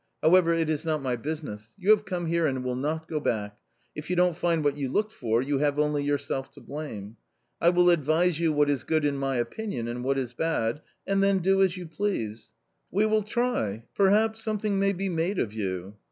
However, it is not my business. You have come here and will not go back. If you don't find what you looked for, you have only yourself to blame. I will advise you what is good in my opinion and what is bad, and then do as you please. /We will try — perhaps — something may be made of you.